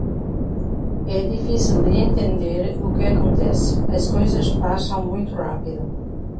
É difícil de entender o que acontece, as coisas passam muito rápido.